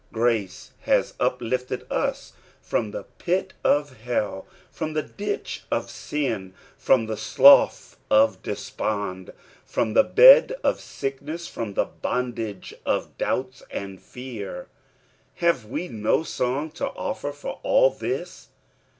Qrace has uplifted us from the pit of hell, from the ditch of sin, from Ihu Slough of Despond, from the bed of nick uesB, from the bondage of doubts and fears ; have wc no song to offer for all thia